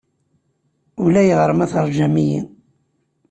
Ulayɣer ma teṛjam-iyi.